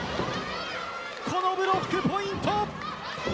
このブロックポイント！